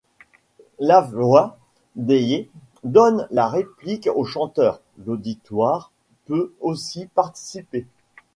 Lavwa dèyè donne la réplique au chanteur, l’auditoire peut aussi participer.